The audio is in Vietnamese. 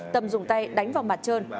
tâm dùng tay đánh vào mặt trơn